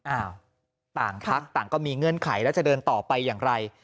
อ้าวต่างพักต่างก็มีเงื่อนไขแล้วจะเดินต่อไปอย่างไร